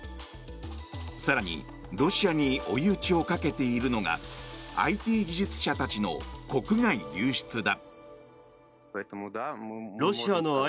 更にロシアに追い打ちをかけているのがＩＴ技術者たちの国外流出だ。